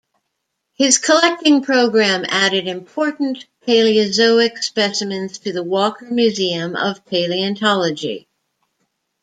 His collecting program added important Paleozoic specimens to the Walker Museum of Paleontology.